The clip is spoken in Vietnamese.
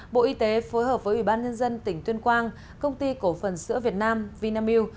bộ y tế phối hợp với ủy ban nhân dân tỉnh tuyên quang công ty cổ phần sữa việt nam vinamilk